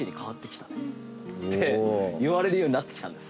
言われるようになってきたんです。